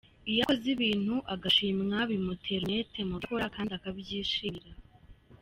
Iyo akoze ibintu agashimwa bimutera umwete mu byo akora kandi akabyishimira.